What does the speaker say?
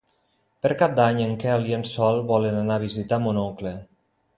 Per Cap d'Any en Quel i en Sol volen anar a visitar mon oncle.